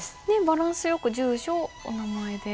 バランスよく住所お名前で。